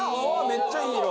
めっちゃいい色。